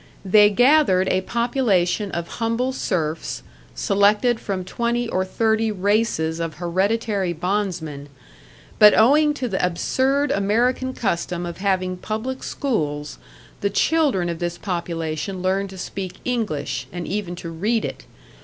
They gathered a population of humble serfs, selected from twenty or thirty races of hereditary bondsmen; but owing to the absurd American custom of having public schools, the children of this population learned to speak English, and even to read it.